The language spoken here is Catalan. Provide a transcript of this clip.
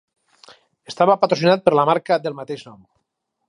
Estava patrocinat per la marca del mateix nom.